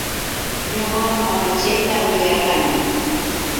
Ñuqam mamachayta willarqani.